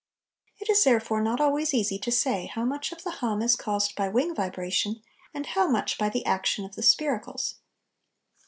It is therefore not always easy to say how much of the hum is caused by wing vibration and how much by the action of the spiracles.